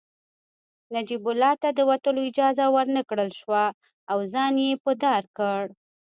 نجیب الله ته د وتلو اجازه ورنکړل شوه او ځان يې په دار کړ